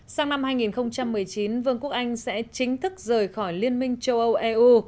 sang năm hai nghìn một mươi chín vương quốc anh sẽ chính thức rời khỏi liên minh châu âu eu